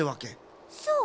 そう。